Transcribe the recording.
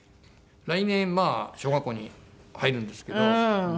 来年小学校に入るんですけど。